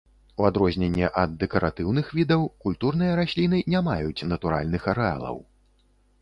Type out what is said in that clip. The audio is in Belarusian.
У адрозненне ад дэкаратыўных відаў, культурныя расліны не маюць натуральных арэалаў.